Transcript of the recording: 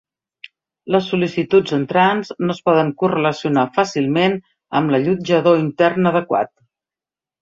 Les sol·licituds entrants no es poden correlacionar fàcilment amb l'allotjador intern adequat.